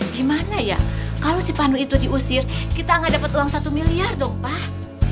gimana ya kalo si pandu itu diusir kita gak dapat uang satu miliar dong pak